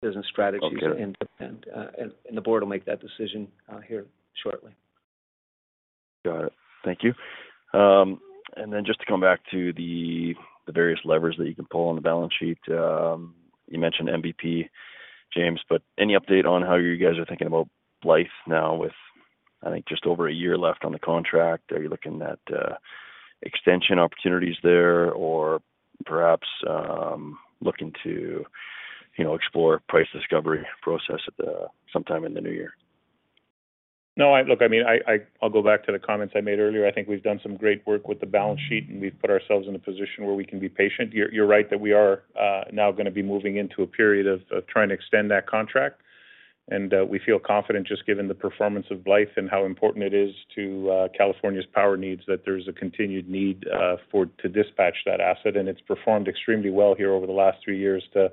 business strategies. Okay. The board will make that decision here shortly. Got it. Thank you. Just to come back to the various levers that you can pull on the balance sheet, you mentioned MVP, James, but any update on how you guys are thinking about Blythe now with, I think, just over a year left on the contract? Are you looking at extension opportunities there? Or perhaps looking to, you know, explore price discovery process at the sometime in the new year? No. Look, I mean, I'll go back to the comments I made earlier. I think we've done some great work with the balance sheet, and we've put ourselves in a position where we can be patient. You're right that we are now gonna be moving into a period of trying to extend that contract. We feel confident just given the performance of Blythe and how important it is to California's power needs, that there's a continued need for to dispatch that asset. It's performed extremely well here over the last three years to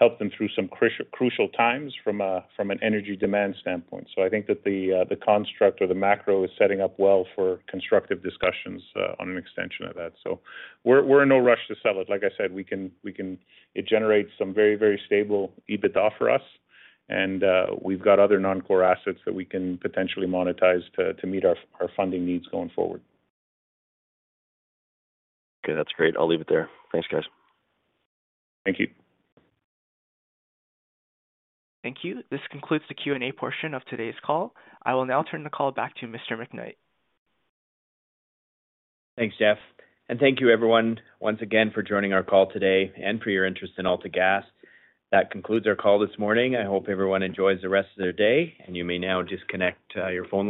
help them through some crucial times from an energy demand standpoint. I think that the construct or the macro is setting up well for constructive discussions on an extension of that. We're in no rush to sell it. Like I said, we can. It generates some very, very stable EBITDA for us, and we've got other non-core assets that we can potentially monetize to meet our funding needs going forward. Okay, that's great. I'll leave it there. Thanks, guys. Thank you. Thank you. This concludes the Q&A portion of today's call. I will now turn the call back to Mr. McKnight. Thanks, Jeff. Thank you everyone once again for joining our call today and for your interest in AltaGas. That concludes our call this morning. I hope everyone enjoys the rest of their day, and you may now disconnect your phone line.